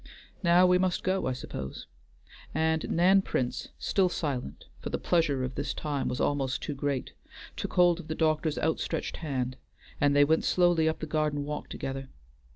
Now we must go, I suppose," and Nan Prince, still silent, for the pleasure of this time was almost too great, took hold of the doctor's outstretched hand, and they went slowly up the garden walk together.